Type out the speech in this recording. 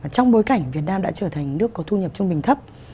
trong bối cảnh việt nam đã trở thành nước có thu nhập trung bình thấp